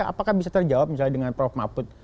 apakah bisa terjawab misalnya dengan prof mahfud